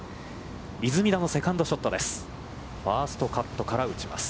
出水田のセカンドショットです。